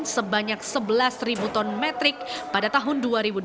sebanyak sebelas ton metrik pada tahun dua ribu dua puluh